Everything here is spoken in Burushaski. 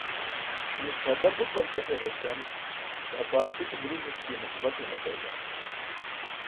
ine ćʰarda but daltas eġarćam daa faarsi ke Burushaski muqabatiṅ ġatay bam